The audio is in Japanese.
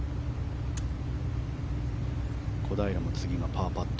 小平も次がパーパット。